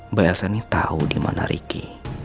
mbak elsa ini tau dimana ricky